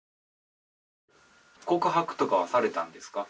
告白とかはされたんですか？